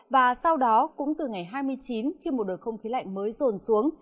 và sau đó cũng từ ngày hai mươi chín khi một đợt không khí lạnh mới rồn xuống